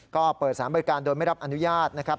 ก็เปิดสารบริการโดยไม่รับอนุญาตนะครับ